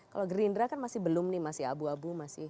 kalau gerindra kan masih belum nih masih abu abu